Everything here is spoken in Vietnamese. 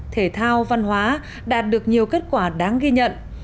thể thao văn hóa đạt được nhiều kết quả đáng ghi nhận